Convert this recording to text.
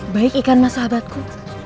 baik ikan mas sahabatku